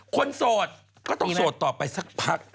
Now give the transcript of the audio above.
โสดก็ต้องโสดต่อไปสักพัก